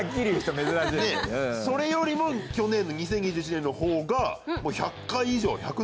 それよりも去年の２０２１年のほうが１００回以上。